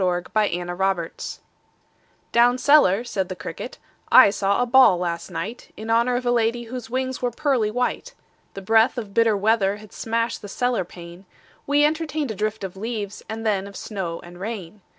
The Potato's Dance "Down cellar," said the cricket, "I saw a ball last night In honor of a lady Whose wings were pearly white. The breath of bitter weather Had smashed the cellar pane: We entertained a drift of leaves And then of snow and rain.